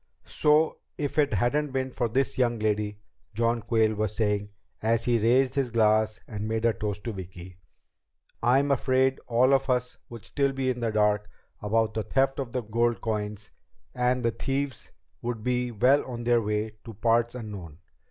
"So if it hadn't been for this young lady," John Quayle was saying as he raised his glass and made a toast to Vicki, "I'm afraid all of us would still be in the dark about the theft of the gold coins, and the thieves would be well on their way to parts unknown.